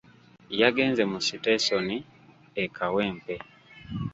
Yagenze mu Sitesoni e Kawempe.